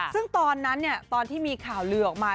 ซึ่งตอนนั้นตอนที่มีข่าวลือออกมา